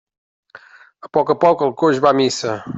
A poc a poc el coix va a missa.